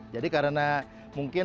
jadi karena mungkin